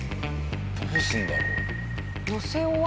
どうするんだろう？